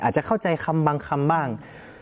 อาจจะเข้าใจคำบางคำบ้าง